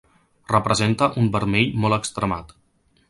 Representa un vermell molt extremat.